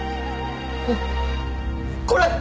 こっこれ！